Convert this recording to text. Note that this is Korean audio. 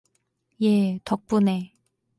예, 덕분에...